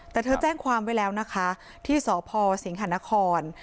แต่เธอแจ้งความไว้แล้วนะคะที่สพสิงหานคร